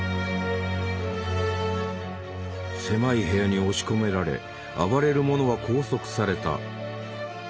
狭い部屋に押し込められ暴れる者は拘束された。